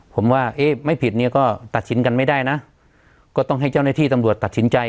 ผมว่าเอ๊ะไม่ผิดเนี่ยก็ตัดสินกันไม่ได้นะก็ต้องให้เจ้าหน้าที่ตำรวจตัดสินใจ